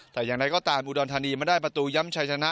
แต่อย่างไรก็ตามอุดรธานีมาได้ประตูย้ำชัยชนะ